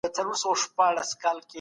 خدای تعالی په دې نبات کې شفا ایښې ده.